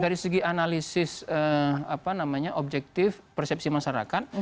dari segi analisis objektif persepsi masyarakat